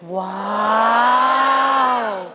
ว้าว